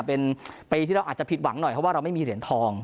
เป็นปีที่เราอาจจะผิดหวังหน่อยเพราะว่าเราไม่มีเหรียญทอง